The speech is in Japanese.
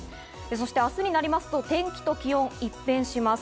そして明日になりますと、天気と気温は一変します。